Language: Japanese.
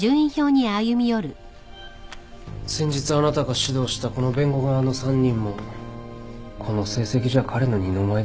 先日あなたが指導したこの弁護側の３人もこの成績じゃ彼の二の舞いですね。